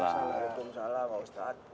waalaikumsalam pak ustadz